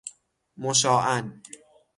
مشاعاً